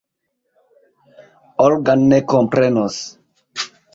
Olga ne komprenos.